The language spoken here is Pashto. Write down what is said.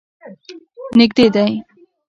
نږدې دی.